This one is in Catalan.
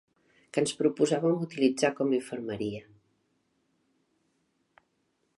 ...que ens proposàvem utilitzar com a infermeria